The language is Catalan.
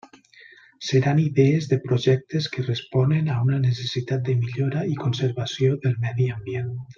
Seran idees de projectes que responen a una necessitat de millora i conservació del medi ambient.